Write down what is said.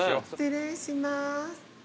失礼します。